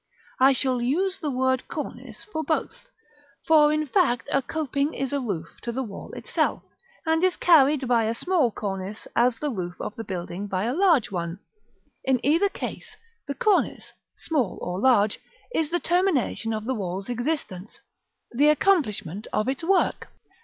I shall use the word Cornice for both; for, in fact, a coping is a roof to the wall itself, and is carried by a small cornice as the roof of the building by a large one. In either case, the cornice, small or large, is the termination of the wall's existence, the accomplishment of its work.